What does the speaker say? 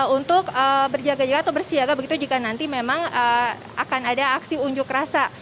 untuk berjaga jaga atau bersiaga begitu jika nanti memang akan ada aksi unjuk rasa